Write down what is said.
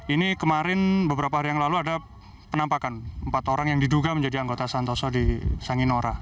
ini kemarin beberapa hari yang lalu ada penampakan empat orang yang diduga menjadi anggota santoso di sanginora